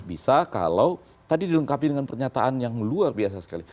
bisa kalau tadi dilengkapi dengan pernyataan yang luar biasa sekali